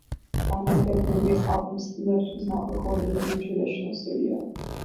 Unlike their previous albums, "Lift" was not recorded in a traditional studio.